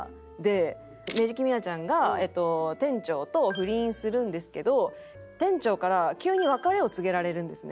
捻木深愛ちゃんが店長と不倫するんですけど店長から急に別れを告げられるんですね。